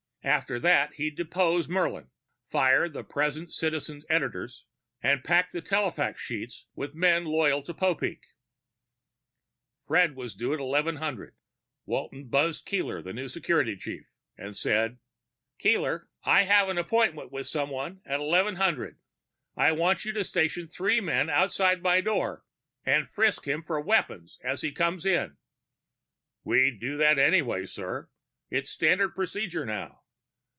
After that, he'd depose Murlin, fire the present Citizen editors, and pack the telefax sheet with men loyal to Popeek. Fred was due at 1100. Walton buzzed Keeler, the new security chief, and said, "Keeler, I have an appointment with someone at 1100. I want you to station three men outside my door and frisk him for weapons as he comes in." "We'd do that anyway, sir. It's standard procedure now."